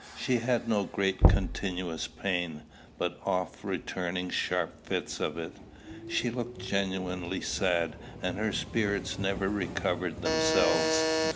She had no great continuous pain, but oft returning sharp fits of it. She looked genuinely sad, and her spirits never recovered themselves.